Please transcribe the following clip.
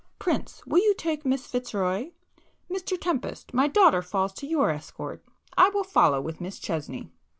"Prince, will you take Miss Fitzroy,—Mr Tempest, my daughter falls to your escort,—I will follow with Miss Chesney."